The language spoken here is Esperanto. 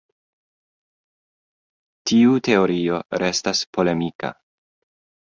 Tiu teorio restas polemika.